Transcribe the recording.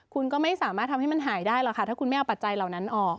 คุณก็ไม่สามารถทำให้มันหายได้หรอกค่ะถ้าคุณไม่เอาปัจจัยเหล่านั้นออก